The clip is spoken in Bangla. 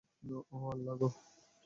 ওহ আল্লাহ হো!